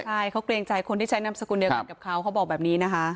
ใช่เขาเกรงใจคนที่ใช้นามสกุลเดียวกันกับเขาเขาบอกแบบนี้นะคะ